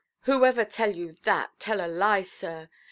Whoever tell you that, tell a lie, sir.